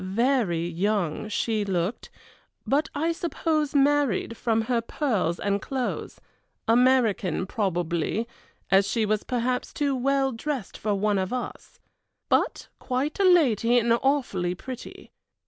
Very young she looked, but I suppose married, from her pearls and clothes American probably, as she was perhaps too well dressed for one of us; but quite a lady and awfully pretty.